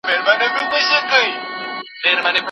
په سختۍ کې وارخطا مه اوسئ.